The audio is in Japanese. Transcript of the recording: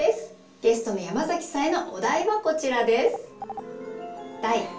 ゲストの山崎さんへのお題はこちらです。